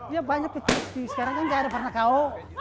ya banyak kecukupi sekarang kan nggak ada pernah kau